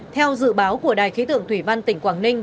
theo dự báo của đài khí tượng thủy văn tỉnh quảng ninh